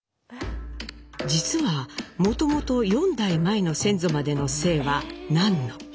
実はもともと４代前の先祖までの姓はナンノ。